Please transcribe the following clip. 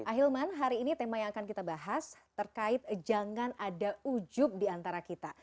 ahilman hari ini tema yang akan kita bahas terkait jangan ada ujub diantara kita